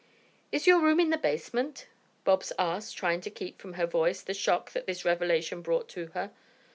"Is your room in the basement?" Bobs asked, trying to keep from her voice the shock that this revelation brought to her.